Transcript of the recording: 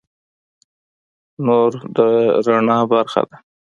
نور د رڼا برخه ده.